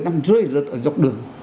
nằm rơi rớt ở dọc đường